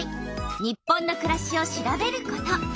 「日本のくらし」を調べること。